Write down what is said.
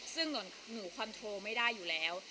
ซึ่งหนูคอนโทรไม่ได้อยู่แล้ว